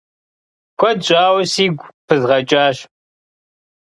Куэд щӏауэ сигу пызгъэкӏащ.